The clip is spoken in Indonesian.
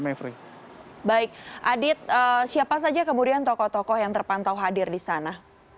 baik adit siapa saja kemudian tokoh tokoh yang terpantau hadir di sana